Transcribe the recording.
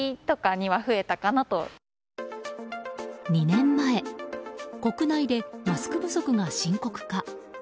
２年前国内でマスク不足が深刻化。